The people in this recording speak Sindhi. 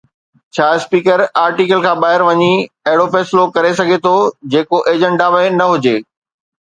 ڇا اسپيڪر آرٽيڪل کان ٻاهر وڃي اهڙو فيصلو ڪري سگهي ٿو جيڪو ايجنڊا ۾ نه هجي.